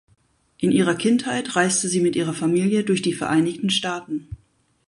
In ihrer Kindheit reiste sie mit ihrer Familie durch die Vereinigten Staaten.